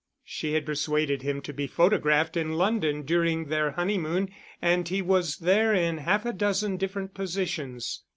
She had persuaded him to be photographed in London during their honeymoon, and he was there in half a dozen different positions.